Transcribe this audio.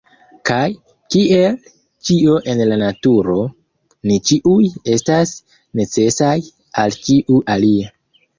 Kaj, kiel ĉio en la Naturo, ni ĉiuj estas necesaj al ĉiu alia.